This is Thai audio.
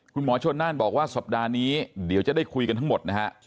คุณหมอชนน่านบอกว่าสัปดาห์นี้เดี๋ยวจะได้คุยกันทั้งหมดนะฮะ